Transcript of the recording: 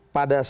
pada saat itu